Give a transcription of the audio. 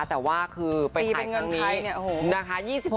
แต่ว่าคือไปถ่ายคันนี้ปีเป็นเงินใครเนี่ยโห